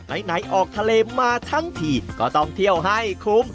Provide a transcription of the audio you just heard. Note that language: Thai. ไหนออกทะเลมาทั้งทีก็ต้องเที่ยวให้คุ้ม